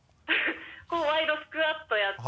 ワイドスクワットやって。